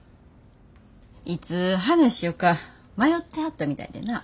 いつ話しようか迷ってはったみたいでな。